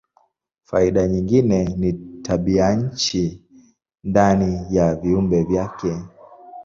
Faida nyingine ni tabianchi ndani ya vyumba vyake.